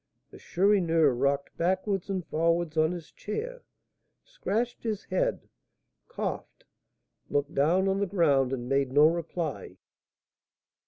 The Chourineur rocked backwards and forwards on his chair, scratched his head, coughed, looked down on the ground, and made no reply.